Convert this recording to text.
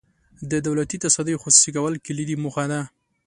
د دولتي تصدیو خصوصي کول کلیدي موخه ده.